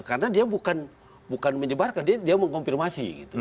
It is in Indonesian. karena dia bukan menyebarkan dia mengkonfirmasi